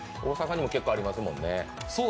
大阪にも結構ありますもんね